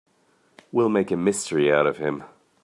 We'll make a mystery out of him.